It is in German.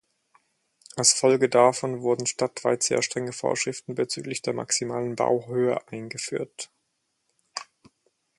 Als Folge davon wurden stadtweit sehr strenge Vorschriften bezüglich der maximalen Bauhöhe eingeführt.